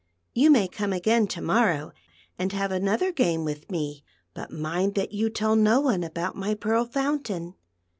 You may come again to morrow and have another game with me, but mind that you tell no one about my Pearl Fountain."